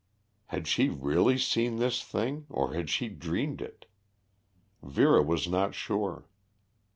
Had she really seen this thing or had she dreamed it? Vera was not sure.